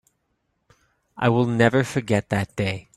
I will never forget that day.